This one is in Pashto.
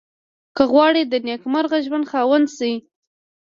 که غواړئ د نېکمرغه ژوند خاوند شئ.